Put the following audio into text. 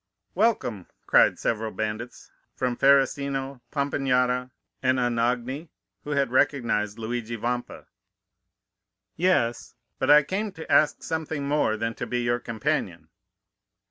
"'Welcome!' cried several bandits from Ferrusino, Pampinara, and Anagni, who had recognized Luigi Vampa. "'Yes, but I came to ask something more than to be your companion.